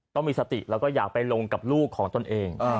ต้องมีสติแล้วก็อยากไปลงกับลูกของตนเอง